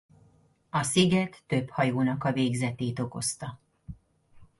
A sziget több hajónak a végzetét okozta.